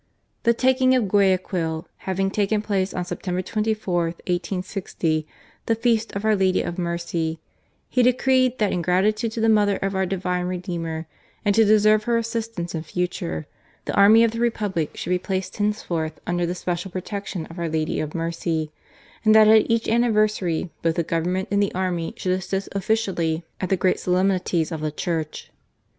The taking of Guayaquil having taken place on September 24, i860, the feast of Our Lady of Mercy, he decreed that in gratitude to the Mother of our Divine Redeemer and to deserve her assistance in future, the army of the Republic should be placed henceforth under the special protection of Our Lady of Mercy, and that at each anniversary both the Government and the army GARCIA MORENO PRESIDENT. 103 should assist officially at the great solemnities of the Church.